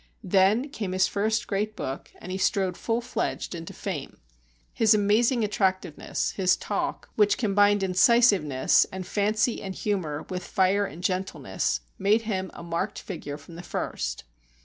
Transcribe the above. Then came his first great book, and he strode full fledged into fame. His amazing attractiveness, his talk, which combined incisiveness and fancy and humour and fire and gentleness, made him a marked figure from the first.